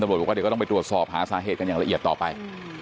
ตำรวจบุคดีก็ต้องไปตรวจสอบหาสาเหตุกันอย่างละเอียดต่อไป